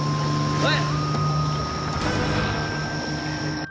はい。